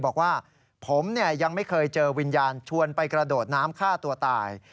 บอกว่าผมยังไม่เคยเจอวิญญาณชวนไปกระโดดน้ำฆ่าตัวตาย